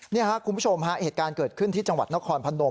นี่ครับคุณผู้ชมฮะเหตุการณ์เกิดขึ้นที่จังหวัดนครพนม